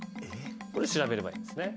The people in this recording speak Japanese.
これ調べればいいんですね。